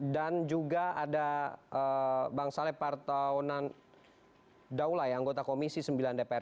dan juga ada bang saleh partaunan daulay anggota komisi sembilan dpr ri